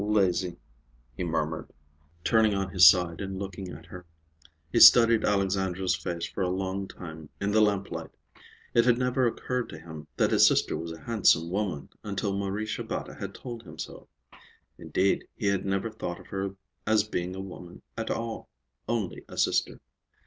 "Lazy," he murmured, turning on his side and looking at her. He studied Alexandra's face for a long time in the lamplight. It had never occurred to him that his sister was a handsome woman until Marie Shabata had told him so. Indeed, he had never thought of her as being a woman at all, only a sister.